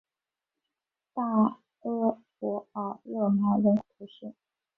大阿伯尔热芒人口变化图示